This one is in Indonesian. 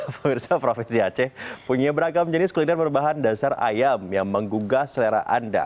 pemirsa profesi aceh punya beragam jenis kuliner berbahan dasar ayam yang menggugah selera anda